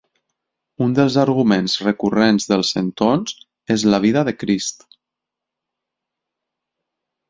Un dels arguments recurrents dels centons és la vida de Crist.